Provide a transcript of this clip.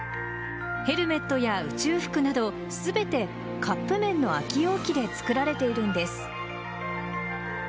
ヘルメットや宇宙服など全てカップ麺の空き容器で作られているんです。